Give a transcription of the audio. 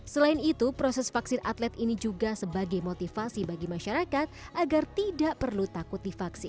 selain itu proses vaksin atlet ini juga sebagai motivasi bagi masyarakat agar tidak perlu takut divaksin